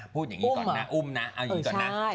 พูดอย่างนี้ก่อนนะอุ้มนะเอาอย่างนี้ก่อนนะ